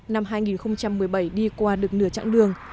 năm hai nghìn một mươi bảy đi qua được nửa chặng đường